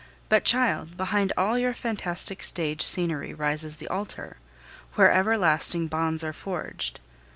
But, child, behind all your fantastic stage scenery rises the altar, where everlasting bonds are forged.